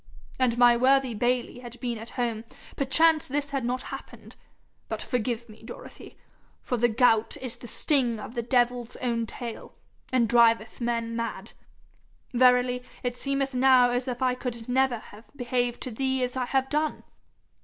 An' my worthy Bayly had been at home, perchance this had not happened; but forgive me, Dorothy, for the gout is the sting of the devil's own tail, and driveth men mad. Verily, it seemeth now as if I could never have behaved to thee as I have done.